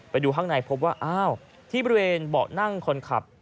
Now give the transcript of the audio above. ไปดูข้างในพบว่าอ้าวที่บริเวณเบาะนั่งคนขับ